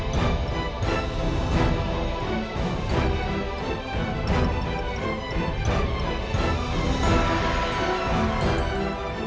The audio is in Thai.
โปรดติดตามตอนต่อไป